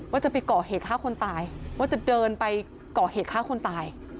ว่าจะไปก่อเหตุฆ่าคนตายว่าจะเดินไปก่อเหตุฆ่าคนตาย